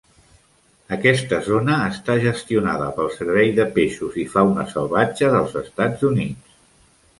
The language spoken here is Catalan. Aquesta zona està gestionada pel Servei de peixos i fauna salvatge dels Estats Units.